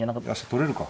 取れるか。